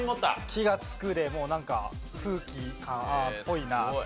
気が付くでもうなんか空気かっぽいなっていう。